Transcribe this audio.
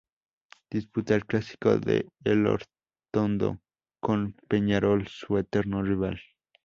Disputa el clásico de Elortondo con Peñarol, su eterno rival.